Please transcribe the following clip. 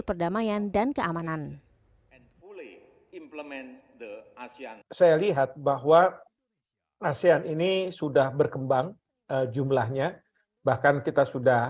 perdamaian dan keamanan the asean saya lihat bahwa asean ini sudah berkembang jumlahnya bahkan kita sudah